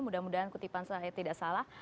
mudah mudahan kutipan saya tidak salah